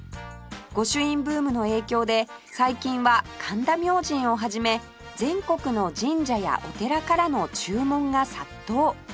御朱印ブームの影響で最近は神田明神を始め全国の神社やお寺からも注文が殺到